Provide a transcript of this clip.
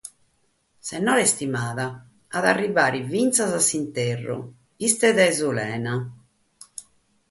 Sennora istimada, at a arribare fintzas s'interru, istet sulena.